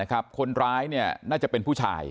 คนร้ายน่าจะเป็นผู้ชาย